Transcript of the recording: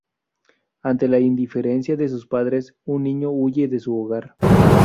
Ante la indiferencia de sus padres un niño huye de su hogar.